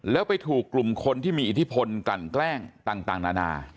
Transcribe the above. แล้วไปถูกกลุ่มคนที่มีอิทธิพลกลั่นแกล้งต่างนานา